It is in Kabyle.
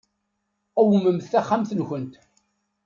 Qewmemt taxxamt-nkent.